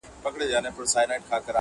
هوسېږو ژوندانه د بل جهان ته!